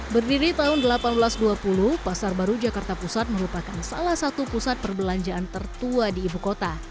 berdiri tahun seribu delapan ratus dua puluh pasar baru jakarta pusat merupakan salah satu pusat perbelanjaan tertua di ibu kota